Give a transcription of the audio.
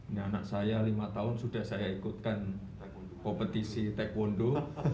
ini anak saya lima tahun sudah saya ikutkan kompetisi taekwondo